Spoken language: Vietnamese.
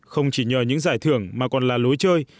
không chỉ nhờ những giải thưởng mà còn là lối chơi